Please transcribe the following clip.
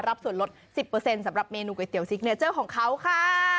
รับส่วนลด๑๐สำหรับเมนูเก๋อร์เนจิกซิกเนเจอร์ของเขาค่ะ